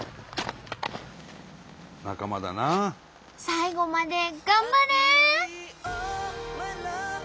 最後まで頑張れ！